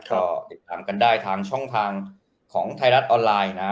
ก็ติดตามกันได้ทางช่องทางของไทยรัฐออนไลน์นะ